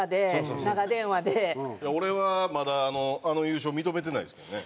俺はまだあの優勝認めてないですけどね。